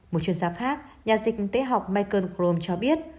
một chuyên gia khác nhà dịch tế học michael crome cho biết